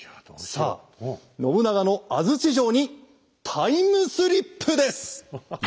さあ信長の安土城にタイムスリップです！